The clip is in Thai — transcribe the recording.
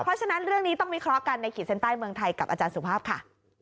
เพราะฉะนั้นเรื่องนี้ต้องวิเคราะห์กันในขีดเส้นใต้เมืองไทยกับอาจารย์สุภาพค่ะ